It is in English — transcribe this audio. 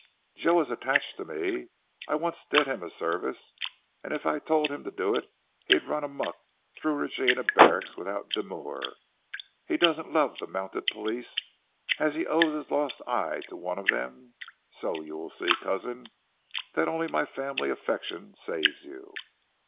"Joe is attached to me. I once did him a service, and if I told him to do it he'd run amuck through Regina barracks without demur. He doesn't love the mounted police, as he owes his lost eye to one of them, so you will see, cousin, that only my family affection saves you."